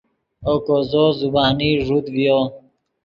اوکو زو زبانی ݱوت ڤیو